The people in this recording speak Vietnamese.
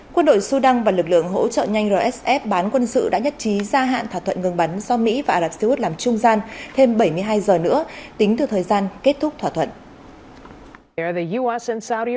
quân đội sudan và lực lượng hỗ trợ nhanh rsf bán quân sự đã nhất trí gia hạn thỏa thuận ngừng bắn do mỹ và ả rập xê út làm trung gian thêm bảy mươi hai giờ nữa tính từ thời gian kết thúc thỏa thuận